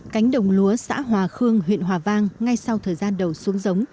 cánh đồng lúa xã hòa khương huyện hòa vang ngay sau thời gian đầu xuống giống